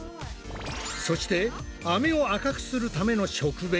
そしてアメを赤くするための食紅！